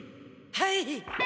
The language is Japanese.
はい。